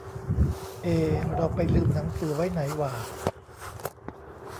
เอ เราไปลืมหนังสือไว้ไหนหว่า